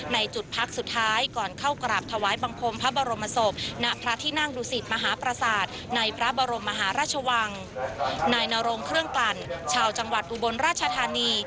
นโรงเครื่องกลั่นชาวจังหวัดอุบลราชธานี